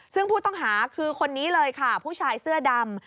ซึ่งผู้ต้องหาคือคนนี้เลยค่ะผู้ชายเสื้อดำ